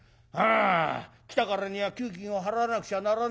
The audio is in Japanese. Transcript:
あ来たからには給金を払わなくちゃならねえ。